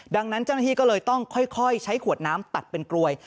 ดังนั้นเจ้าหน้าที่ก็เลยต้องค่อยใช้ขวดน้ำตัดเป็นกลวย